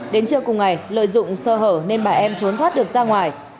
đến trưa cùng ngày lợi dụng sơ hở nên bà em trốn thoát được ra ngoài